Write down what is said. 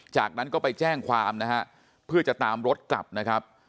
จากนั้นก็ไปแจ้งความนะฮะเพื่อจะตามรถกลับนะครับ